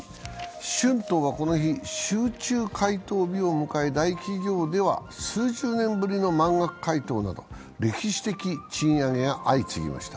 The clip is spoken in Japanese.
春闘はこの日、集中回答日を迎え大企業では数十年ぶりの満額回答だった歴史的賃上げが相次ぎました。